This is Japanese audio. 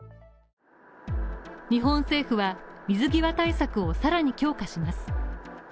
日本政府は水際対策をさらに強化します。